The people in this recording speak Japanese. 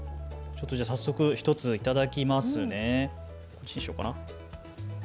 早速１ついただきます。